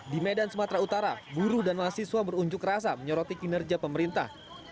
di medan sumatera utara buruh dan mahasiswa berunjuk rasa menyoroti kinerja pemerintah